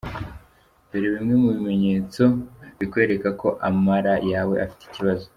Dore bimwe mu bimenyetso bikwereka ko amara yawe afite ibibazo.